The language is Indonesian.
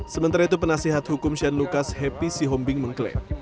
sementara itu penasihat hukum shane lucas happy sihombing mengklaim